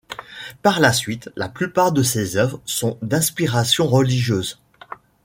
Par la suite, la plupart de ses œuvres sont d'inspiration religieuse.